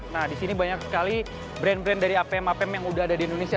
nah disini banyak sekali brand brand dari apm apm yang sudah ada di indonesia